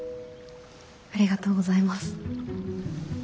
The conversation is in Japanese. ありがとうございます。